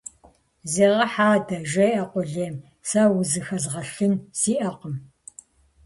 Зегъэхь адэ! - жеӀэ къулейм. - Сэ узыхэзгъэлъын сиӀэкъым.